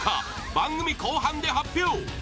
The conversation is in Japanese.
番組後半で発表！